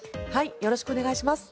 よろしくお願いします。